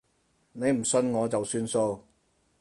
你唔信我就算數